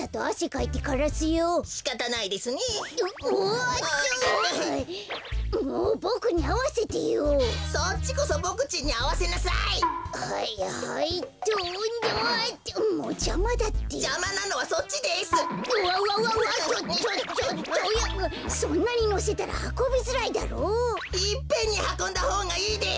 いっぺんにはこんだほうがいいです！